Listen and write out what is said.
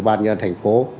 bàn nhân thành phố